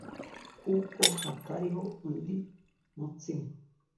kuko hatariho undi mutsima